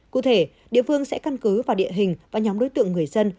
cụ thể địa phương sẽ căn cứ vào địa hình và nhóm đối tượng người dân